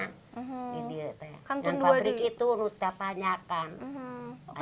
pabrik itu saya sudah bertanya